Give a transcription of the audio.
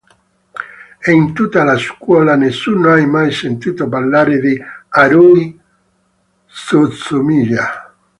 E in tutta la scuola nessuno ha mai sentito parlare di Haruhi Suzumiya.